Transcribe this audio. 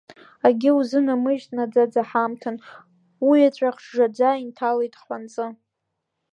Акгьы узыннамыжьит наӡаӡа ҳамҭан, уеҵәахә жжаӡа инҭалеит хланҵы.